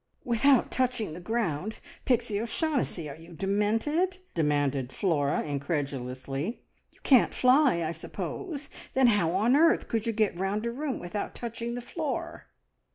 "Without touching the ground! Pixie O'Shaughnessy, are you demented?" demanded Flora incredulously. "You can't fly, I suppose? Then how on earth could you get round a room without touching the floor?"